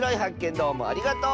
どうもありがとう！